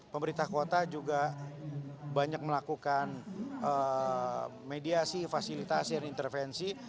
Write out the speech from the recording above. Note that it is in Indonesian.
pemerintah kota juga banyak melakukan mediasi fasilitasi dan intervensi